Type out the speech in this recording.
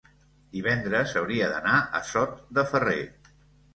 Divendres hauria d'anar a Sot de Ferrer.